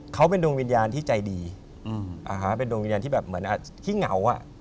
เขาเป็นดวงวิญญาณที่ใจดีเป็นดวงวิญญาณที่แบบเหมือนขี้เหงา